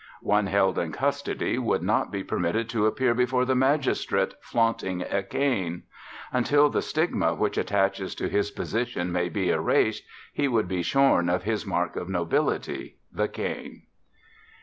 One held in custody would not be permitted to appear before a magistrate flaunting a cane. Until the stigma which attaches to his position may be erased he would be shorn of this mark of nobility, the cane.